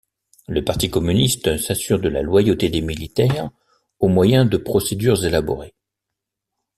Le parti communiste s'assure de la loyauté des militaires au moyen de procédures élaborées.